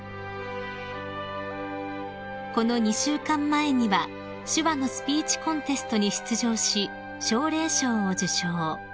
［この２週間前には手話のスピーチコンテストに出場し奨励賞を受賞］